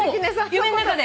夢の中で？